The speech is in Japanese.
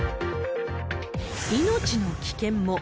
命の危険も。